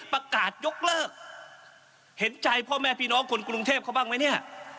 ประกาศยกเลิกเห็นใจพ่อแม่พี่น้องคนกรุงเทพเขาบ้างไหมเนี่ย